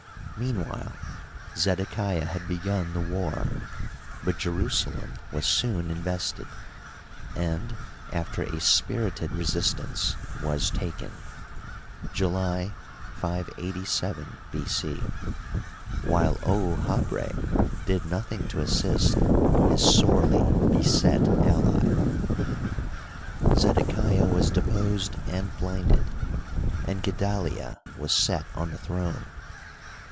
Meanwhile Zedekiah had begun the war, but Jerusalem was soon invested, and, after a spirited re sistance, was taken (July, 587 B. c), while Ouahabra did nothing to assist his sorely beset ally. Zedekiah was de posed and blinded, and Gedalia was set on the throne.